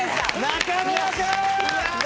中村君！